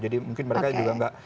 jadi mungkin mereka juga nggak